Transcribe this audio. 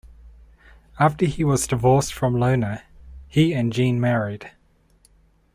After he was divorced from Lona, he and Jean married.